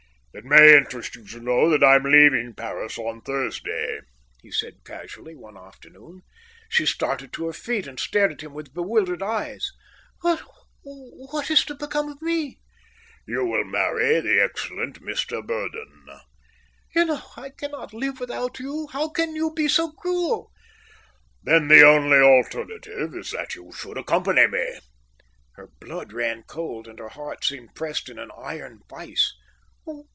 "It may interest you to know that I'm leaving Paris on Thursday," he said casually, one afternoon. She started to her feet and stared at him with bewildered eyes. "But what is to become of me?" "You will marry the excellent Mr Burdon." "You know I cannot live without you. How can you be so cruel?" "Then the only alternative is that you should accompany me." Her blood ran cold, and her heart seemed pressed in an iron vice.